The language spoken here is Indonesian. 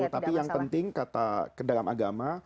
tapi yang penting kata dalam agama